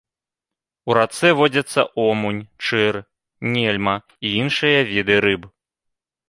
У рацэ водзяцца омуль, чыр, нельма і іншыя віды рыб.